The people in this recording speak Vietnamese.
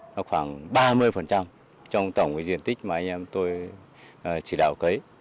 nó khoảng ba mươi trong tổng diện tích mà anh em tôi chỉ đạo